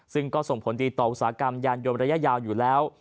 ซึ่งก็ส่งผลดีต่ออุตสาหกรรมยานยนต์ระยะยาวอยู่แล้ว